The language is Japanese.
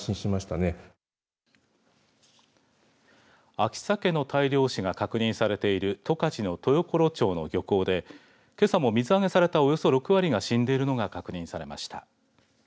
秋サケの大量死が確認されている十勝の豊頃町の漁港でけさも、水揚げされたおよそ６割が死んでいるのが確認されました。